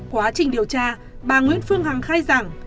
quá trình điều tra bà nguyễn phương hằng khai giảng